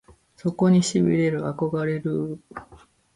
そこに痺れる憧れるぅ！！